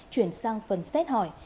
chuyển sang phần xét hỏi